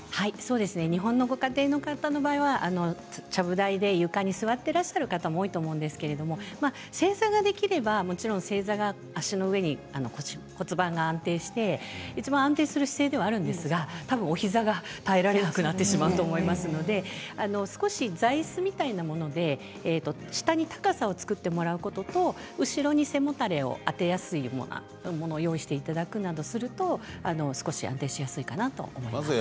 日本のご家庭の場合はちゃぶ台で床に座ってらっしゃる方も多いと思うんですけれど正座ができればもちろん正座は足の上に骨盤が安定していちばん安定する姿勢ではあるんですが例えば、お膝が耐えられなくなってしまうと思いますので少し、座いすみたいなもので下に高さを作ってもらうことと後ろに背もたれを当てやすいようなものを用意していただくなどすると少し安定しやすいかなと思います。